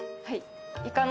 はい。